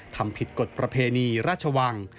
ทำผิดกฎประเพณีราชวัง